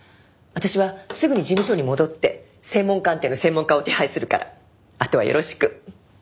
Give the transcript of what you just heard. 私はすぐに事務所に戻って声紋鑑定の専門家を手配するからあとはよろしく。